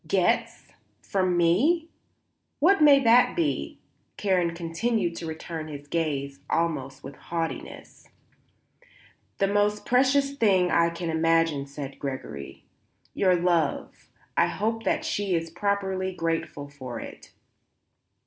"Gets? From me? What may that be?" Karen continued to return his gaze almost with haughtiness. "The most precious thing I can imagine," said Gregory. "Your love. I hope that she is properly grateful for it."